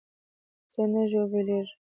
نه ژوبلېږم.